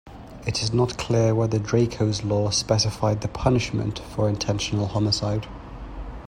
It is not clear whether Draco's law specified the punishment for intentional homicide.